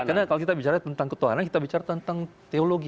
karena kalau kita bicara tentang ketuhanan kita bicara tentang teologi